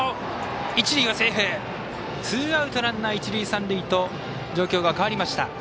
ツーアウト、ランナー一塁三塁と状況が変わりました。